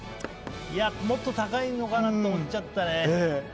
もっと高いのかなと思っちゃったね。